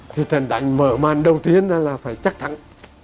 thì trận đánh mở màn đầu tiên là phải chắc thắng